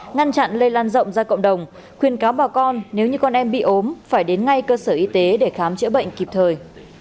ngăn chặn lây lan rộng ra cộng đồng khuyên cáo bà con nếu như con em bị ốm phải đến ngay cơ sở y tế để khám chữa bệnh kịp thời